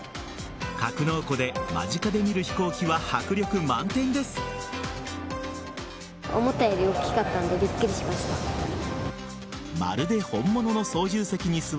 格納庫で、間近で見る飛行機は迫力満点です。